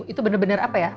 itu benar benar apa ya